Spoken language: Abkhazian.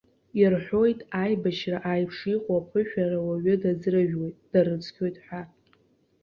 Ирҳәоит, аибашьра аиԥш иҟоу аԥышәара ауаҩы даӡрыжәуеит, дарыцқьоит ҳәа.